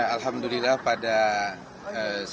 tuhan senang nacuah disampaikan oleh ibu